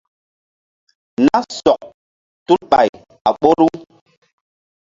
Nah sɔk tul ɓay a ɓoru.